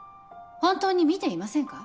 本当に見ていませんか？